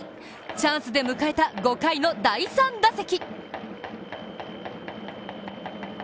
チャンスで迎えた５回の第３打席。